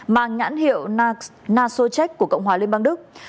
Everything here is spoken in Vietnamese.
mang nhãn hiệu nasochek của cộng hòa liên bang đức